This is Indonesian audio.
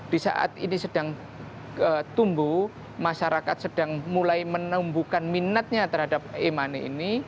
di saat ini sedang tumbuh masyarakat sedang mulai menumbuhkan minatnya terhadap e money ini